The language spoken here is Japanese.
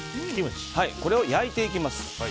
これを焼いていきます。